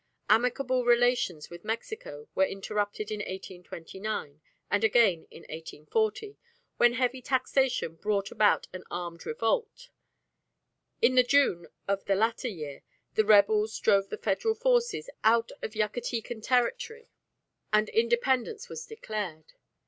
Amicable relations with Mexico were interrupted in 1829 and again in 1840, when heavy taxation brought about an armed revolt. In the June of the latter year the rebels drove the Federal forces out of Yucatecan territory, and independence was declared.